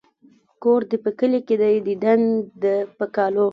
ـ کور دې په کلي کې دى ديدن د په کالو.